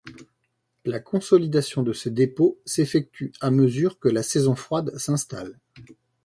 La consolidation de ce dépôt s’effectue à mesure que la saison froide s'installe.